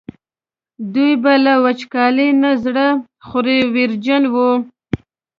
دوی به له وچکالۍ نه زړه خوړ ویرجن وو.